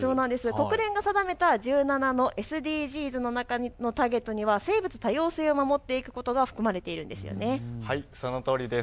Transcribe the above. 国連が定めた１７のＳＤＧｓの中のターゲットには生物多様性守っていくことが書かれているんです。